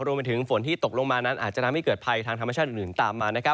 รวมไปถึงฝนที่ตกลงมานั้นอาจจะทำให้เกิดภัยทางธรรมชาติอื่นตามมา